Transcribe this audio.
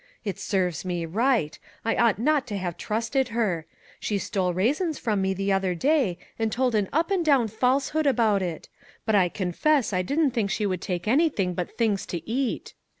It serves me right; I ought not to have trusted her. She stole raisins from me the other day and told an up and down falsehood about it; but I confess I didn't think she would take anything but things to eat.